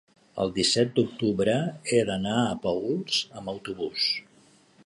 el disset d'octubre he d'anar a Paüls amb autobús.